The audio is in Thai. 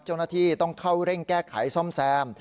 เจ้าหน้าที่ต้องเข้าเร่งแก้ไขซ่อมแซม